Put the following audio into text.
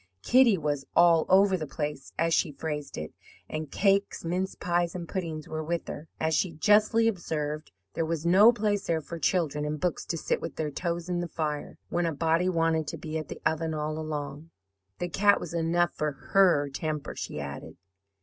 Kitty was 'all over the place,' as she phrased it, and cakes, mince pies, and puddings were with her. As she justly observed, 'There was no place there for children and books to sit with their toes in the fire, when a body wanted to be at the oven all along. The cat was enough for HER temper,' she added.